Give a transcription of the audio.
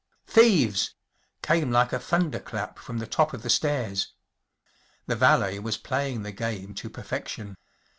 ‚ÄúThieves!‚ÄĚ came like a thunderclap from the top of the stairs. The valet was playing the game to perfection.